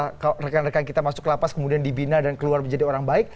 ketika rekan rekan kita masuk lapas kemudian dibina dan keluar menjadi orang baik